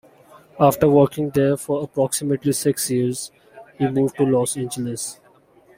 After working there for approximately six years, he moved to Los Angeles.